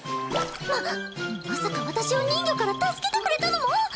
まっまさか私を人魚から助けてくれたのも！？